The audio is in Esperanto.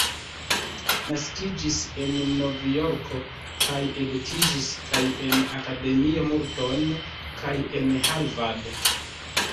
Naskiĝis en Novjorko kaj edukiĝis kaj en Akademio Milton kaj en Harvard.